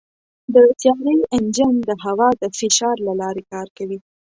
د طیارې انجن د هوا د فشار له لارې کار کوي.